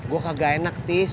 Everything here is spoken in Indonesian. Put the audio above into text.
gue kagak enak tis